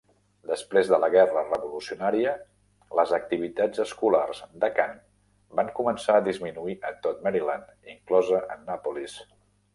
Després de la guerra revolucionària, les activitats escolars de cant van començar a disminuir a tot Maryland, inclosa Annapolis.